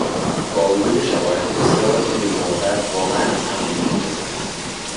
با وجود شباهت بسیار، این دو جانور واقعا از هم متمایزند.